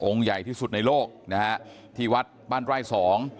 ใหญ่ที่สุดในโลกนะฮะที่วัดบ้านไร่สอง